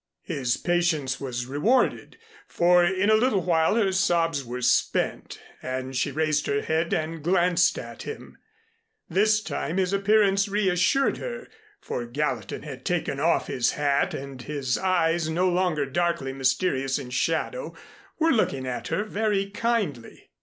His patience was rewarded, for in a little while her sobs were spent, and she raised her head and glanced at him. This time his appearance reassured her, for Gallatin had taken off his hat, and his eyes, no longer darkly mysterious in shadow, were looking at her very kindly.